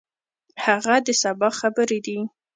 هغه د سبا خبرې دي.